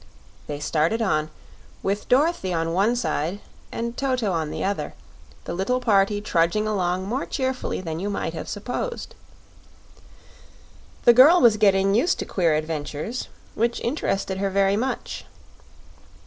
They started on, with Dorothy on one side, and Toto on the other, the little party trudging along more cheerfully than you might have supposed. The girl was getting used to queer adventures, which interested her very much.